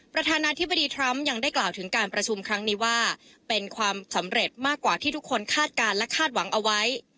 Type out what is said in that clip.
ประธานาธิบดีทรัมป์ยังได้กล่าวถึงการประชุมครั้งนี้ว่าเป็นความสำเร็จมากกว่าที่ทุกคนคาดการณ์และคาดหวังเอาไว้